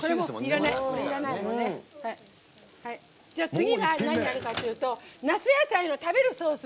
次は、何かっていうと「夏野菜の食べるソース」。